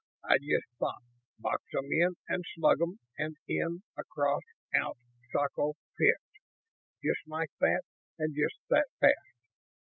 I just thought 'Box 'em in and slug 'em' and In! Across! Out! Socko! Pffft! Just like that and just that fast.